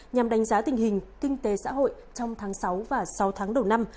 nhằm đánh giá tình hình kinh tế xã hội trong tháng sáu và sáu tháng đầu năm